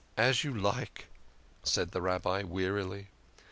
"As you like," said the Rabbi wearily.